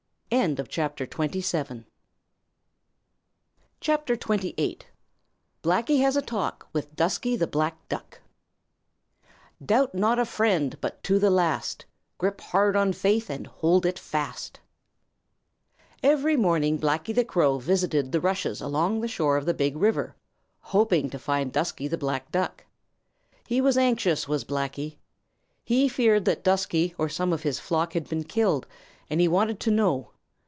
CHAPTER XXVIII: Blacky Has A Talk With Dusky The Black Duck Doubt not a friend, but to the last Grip hard on faith and hold it fast. Blacky the Crow. Every morning Blacky the Crow visited the rushes along the shore of the Big River, hoping to find Dusky the Black Duck. He was anxious, was Blacky. He feared that Dusky or some of his flock had been killed, and he wanted to know.